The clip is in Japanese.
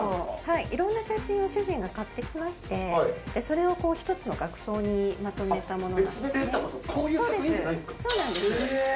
いろんな写真を主人が買ってきまして、それを一つの額にまとめたもので。